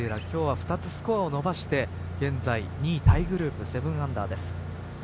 今日は２つスコアを伸ばして現在２位タイグループ７アンダーです。